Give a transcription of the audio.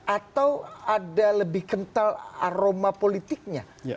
atau ada lebih kental aroma politiknya